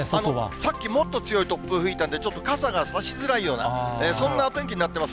さっきもっと強い突風吹いたんで、ちょっと傘が差しづらいような、そんなお天気になっています。